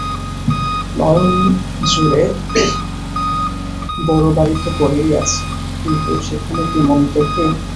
নয়নজোড়ে বড়ো বাড়ি তো পড়েই আছে, কিন্তু সেখানে কি মন টেঁকে।